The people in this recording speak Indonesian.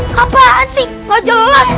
ngapain sih gak jelas